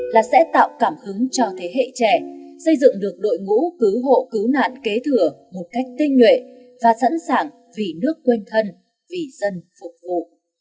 là sẽ tạo cảm hứng cho thế hệ trẻ xây dựng được đội ngũ cứu hộ cứu nạn kế thừa một cách tinh nhuệ và sẵn sàng vì nước quên thân vì dân phục vụ